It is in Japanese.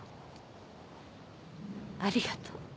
ありがとう。